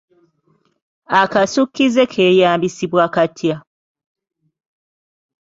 Akasukkize keeyambisibwa katya?